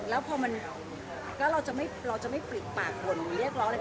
แล้วเราจะไม่ปลิกปากบนเรียกร้องอะไร